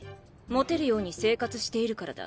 モテるように生活しているからだ。